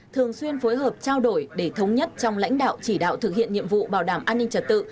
thường xuyên phối hợp trao đổi để thống nhất trong lãnh đạo chỉ đạo thực hiện nhiệm vụ bảo đảm an ninh trật tự